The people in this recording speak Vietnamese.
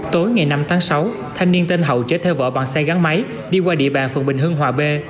tối ngày năm tháng sáu thanh niên tên hậu chở theo vợ bằng xe gắn máy đi qua địa bàn phường bình hưng hòa b